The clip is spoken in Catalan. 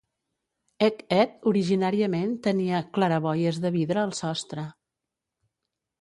Hec Ed originàriament tenia claraboies de vidre al sostre.